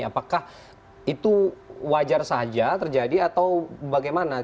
apakah itu wajar saja terjadi atau bagaimana